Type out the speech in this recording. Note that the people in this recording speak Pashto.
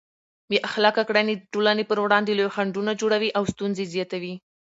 بې اخلاقه کړنې د ټولنې پر وړاندې لوی خنډونه جوړوي او ستونزې زیاتوي.